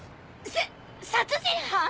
さ殺人犯⁉